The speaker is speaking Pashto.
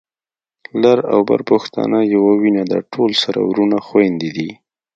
لر او بر پښتانه يوه وینه ده، ټول سره وروڼه خويندي دي